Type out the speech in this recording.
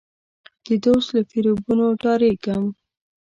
د دوست له فریبونو ډارېږم.